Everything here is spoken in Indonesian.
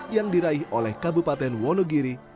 yang diraih oleh kabupaten wonogiri